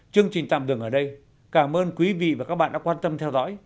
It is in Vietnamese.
chương trình tạm dừng ở đây cảm ơn quý vị và các bạn đã quan tâm theo dõi